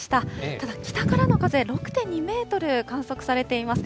ただ、北からの風６．２メートル観測されています。